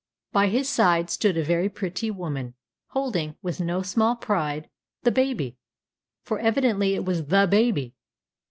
By his side stood a very pretty woman, holding, with no small pride, the baby for evidently it was the baby.